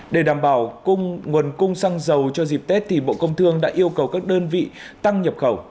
để đảm bảo cung nguồn cung xăng dầu cho dịp tết thì bộ công thương đã yêu cầu các đơn vị tăng nhập khẩu